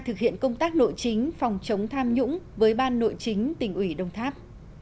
thực hiện công tác nội chính phòng chống tham nhũng với ban nội chính tỉnh ủy đông tháp